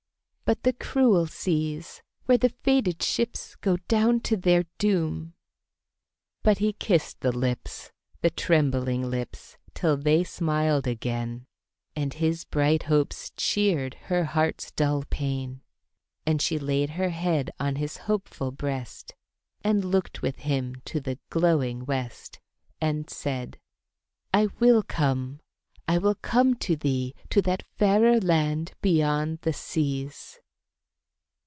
"But the cruel seas where the fated ships Go down to their doom" But he kissed the lips The trembling lips, till they smiled again, And his bright hopes cheered her heart's dull pain, And she laid her head on his hopeful breast, And looked with him to the glowing west, And said, "I will come, I will come to thee To that fairer land beyond the seas."